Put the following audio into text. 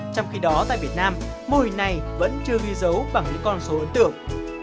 trong khi đó tại việt nam mô hình này vẫn chưa ghi dấu bằng những con số ấn tượng